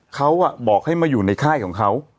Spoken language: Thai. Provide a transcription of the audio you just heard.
ยังไม่ได้ไหลในภายกบ